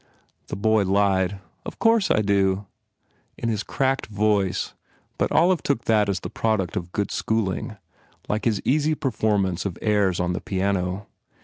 The boy lied, "Of course I do," in his cracked voice but Olive took that as the product of good schooling, like his easy performance of airs on the piano.